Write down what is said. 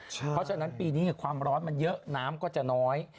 เพราะฉะนั้นปีนี้ความร้อนมันเยอะน้ำก็จะน้อย